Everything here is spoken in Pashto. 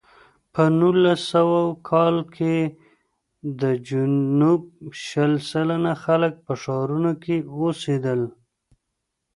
په نولس سوه کال کې د جنوب شل سلنه خلک په ښارونو کې اوسېدل.